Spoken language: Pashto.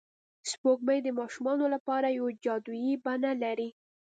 سپوږمۍ د ماشومانو لپاره یوه جادويي بڼه لري